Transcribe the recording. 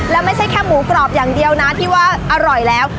และไม่ใช่แค่หมูกรอบอย่างเดียวนะที่ว่าอร่อยแล้ว